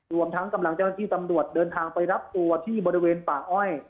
รวมทั้งกำลังเจ้าหน้าที่ตำรวจเดินทางไปรับตัวที่บริเวณป่าอ้อย